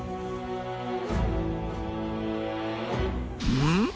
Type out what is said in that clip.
うん？